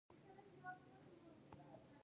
پکتیکا د افغانستان یوه طبیعي ځانګړتیا ده.